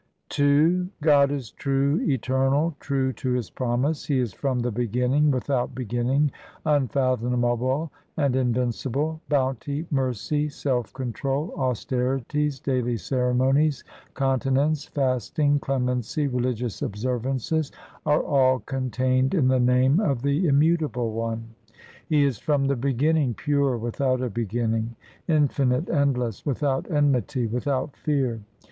II God is true, Eternal, true to His promise ; He is from the beginning, without beginning, unfathomable, and in vincible. Bounty, mercy, self control, austerities, daily ceremonies, continence, fasting, clemency, religious observances are all contained in the name of the Immutable One. He is from the beginning, pure, without a beginning, infinite, 1 endless, without enmity, without fear.